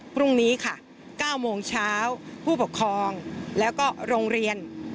พรุ่งนี้ค่ะ๙โมงเช้าผู้ปกครองแล้วก็โรงเรียน